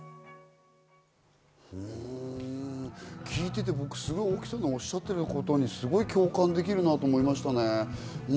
聞いてて僕、ＯＫＩさんがおっしゃっていたことに、すごい共感できるなと思いましたね。